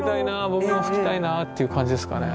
僕も吹きたいなあっていう感じですかね。